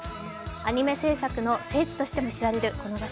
アニメ制作の聖地としても知られるこの場所。